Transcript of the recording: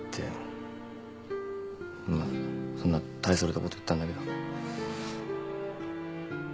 そんな大それたこと言ったんだけど。